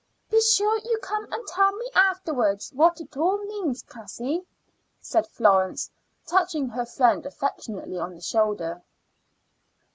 "Be sure you come and tell me afterwards what it all means, Cassie," said Florence, touching her friend affectionately on the shoulder.